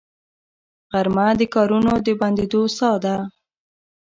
غرمه د کارونو د بندېدو ساه ده